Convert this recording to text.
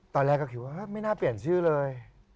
ตอนแรกก็คิดว่าไม่น่าเปลี่ยนชื่อเลย